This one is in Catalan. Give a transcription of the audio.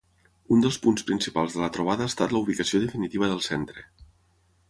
Un dels punts principals de la trobada ha estat la ubicació definitiva del centre.